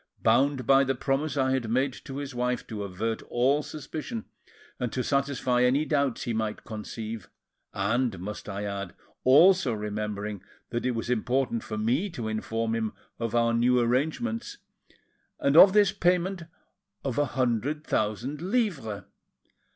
Bound by the promise I had made to his wife to avert all suspicion and to satisfy any doubts he might conceive, and, must I add, also remembering that it was important for me to inform him of our new arrangements, and of this payment of a hundred thousand livres."